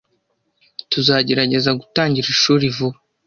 Tuzagerageza gutangira ishuri vuba.